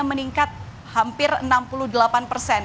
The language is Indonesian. meningkat hampir enam puluh delapan persen